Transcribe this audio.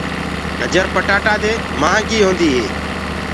گجر پٽآتآ دي مهآنگي هوندي هي۔